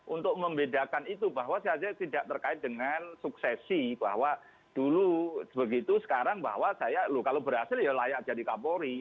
untuk membedakan itu bahwa saya tidak terkait dengan suksesi bahwa dulu begitu sekarang bahwa saya loh kalau berhasil ya layak jadi kapolri